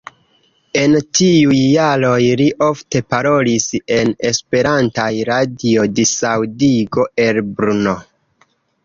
En tiuj jaroj li ofte parolis en esperantaj radio-disaŭdigo el Brno.